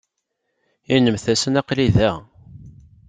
Inimt-asen aql-i da.